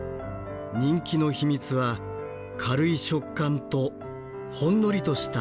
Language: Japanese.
人気の秘密は軽い食感とほんのりとした甘み。